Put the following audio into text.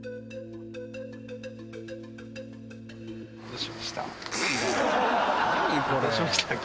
どうしました？